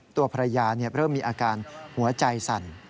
ตัวภรรยาเริ่มมีอาการหัวใจสั่น